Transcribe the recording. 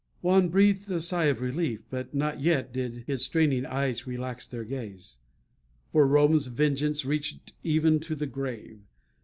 Juan breathed a sigh of relief; but not yet did his straining eyes relax their gaze. For Rome's vengeance reached even to the grave.